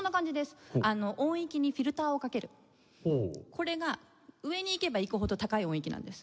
これが上に行けば行くほど高い音域なんです。